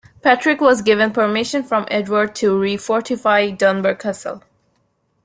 Patrick was given permission from Edward to refortify Dunbar Castle.